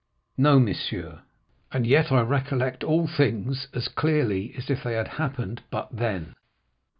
"No, monsieur, and yet I recollect all things as clearly as if they had happened but then.